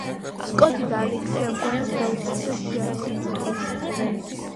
სკოტი და ალექსი ამგვარად დაუსხლტა შიარის იმპერიას.